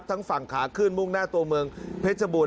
ทั้งฝั่งขาขึ้นมุ่งหน้าตัวเมืองเผชชะบุญ